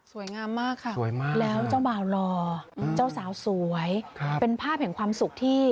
งามมากค่ะสวยมากแล้วเจ้าบ่าวหล่อเจ้าสาวสวยเป็นภาพแห่งความสุขที่